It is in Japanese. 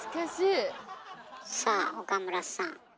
さあ岡村さん。